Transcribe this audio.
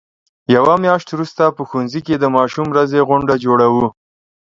یوه میاشت وروسته په ښوونځي کې د ماشوم ورځې غونډه جوړو.